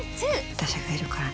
私がいるからね。